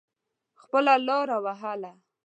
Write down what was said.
خپله لاره وهله.